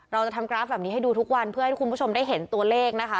เราจะทำกราฟแบบนี้ให้ดูทุกวันเพื่อให้คุณผู้ชมได้เห็นตัวเลขนะคะ